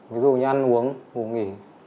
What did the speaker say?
ví dụ như ăn uống ngủ nghỉ